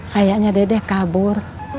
kayaknya dede kabur